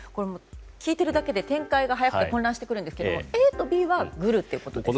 聞いているだけで展開が早くて混乱してくるんですがＡとＢはグルってことですよね。